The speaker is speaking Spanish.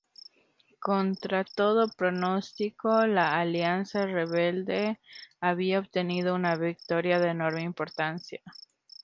Contra todo pronóstico, la Alianza Rebelde había obtenido una victoria de enorme importancia.